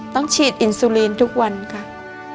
ต้องฉีดอินซูลีนทุกวันค่ะ